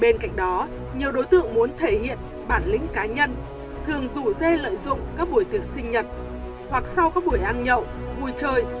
bên cạnh đó nhiều đối tượng muốn thể hiện bản lĩnh cá nhân thường rủ dê lợi dụng các buổi tiệc sinh nhật hoặc sau các buổi ăn nhậu vui chơi